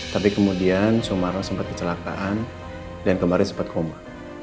tapi kemudian sumarno sempat kecelakaan dan kemarin sempat koma